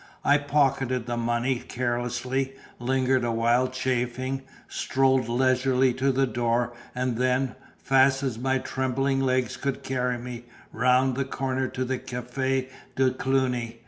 I pocketed the money carelessly, lingered a while chaffing, strolled leisurely to the door; and then (fast as my trembling legs could carry me) round the corner to the Cafe de Cluny.